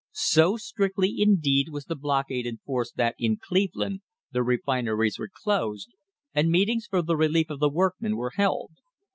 So strictly, indeed, was the blockade enforced that in Cleveland the refineries were closed and meetings for the relief of the workmen were held.